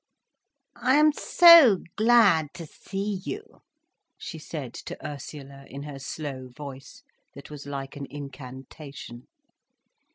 "I am so glad to see you," she said to Ursula, in her slow voice, that was like an incantation.